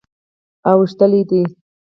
اوتښتیدلی دي